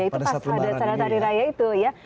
itu pas ada caran hari raya itu ya